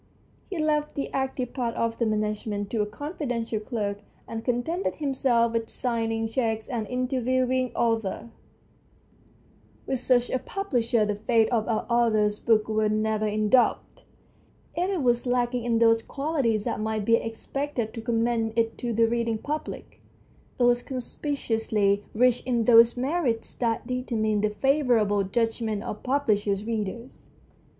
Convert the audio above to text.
He left the active part of the management to a confidential clerk, and contented himself with signing cheques and interviewing authors. With such a publisher the fate of our author's book was never in doubt. If it was THE STORY OF A BOOK 125 lacking in those qualities that might be ex pected to commend it to the reading public, it was conspicuously rich in those merits that determine the favourable judgment of pub lishers' readers.